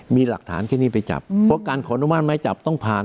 มีหลักฐานแค่นี้ไปจับเพราะการขออนุมัติไม้จับต้องผ่าน